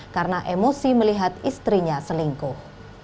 karena emosi melihat istrinya selingkuh